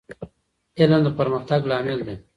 علم د پرمختګ لامل دی.